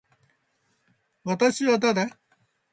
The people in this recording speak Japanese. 私は誰。